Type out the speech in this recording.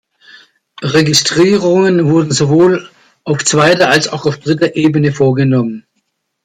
Registrierungen wurden sowohl auf zweiter als auch auf dritter Ebene vorgenommen.